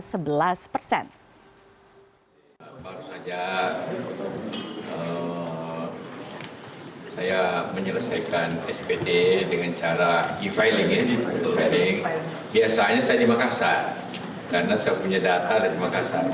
baru saja saya menyelesaikan spt dengan cara e filing biasanya saya di makassar karena saya punya data dari makassar